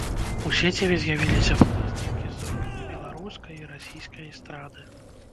У сеціве з'явіліся фотаздымкі з зоркамі беларускай і расійскай эстрады.